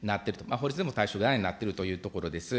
法律でも対象外になっているというところです。